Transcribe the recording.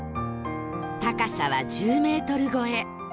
高さは１０メートル超え